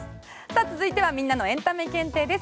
続いてはみんなのエンタメ検定です。